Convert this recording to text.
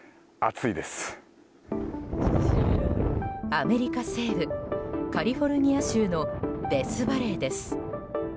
アメリカ西部カリフォルニア州のデスバレーです。